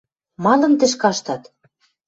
— Малын тӹш каштат?